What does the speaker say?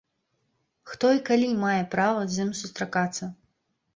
Хто і калі мае права з ім сустракацца?